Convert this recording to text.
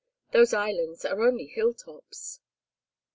Those islands are only hilltops."